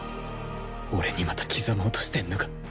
俺にまた刻もうとしてんのか。